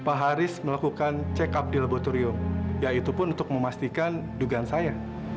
pak haris melakukan check up di laboratorium yaitu pun untuk memastikan dugaan saya